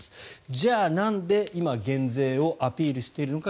じゃあなんで今減税をアピールしているのか。